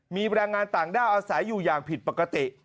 มีแรงงานต่างด้าวอาศัยอยู่อย่างผิดปกติ